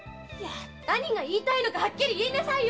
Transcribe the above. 何が言いたいのかはっきり言いなさいよ！